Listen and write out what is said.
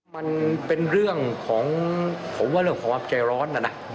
มันเป็นเรื่องของผมว่าเรื่องความใจร้อนนะนะ